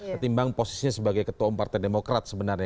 ketimbang posisinya sebagai ketua umpartai demokrat sebenarnya